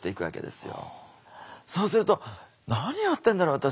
そうすると「何やってんだろ私。